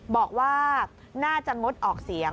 บอกว่าน่าจะงดออกเสียง